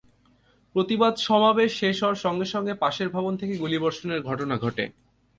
প্রতিবাদ সমাবেশ শেষ হওয়ার সঙ্গে সঙ্গে পাশের ভবন থেকে গুলিবর্ষণের ঘটনা ঘটে।